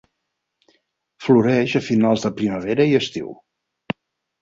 Floreix a finals de primavera i estiu.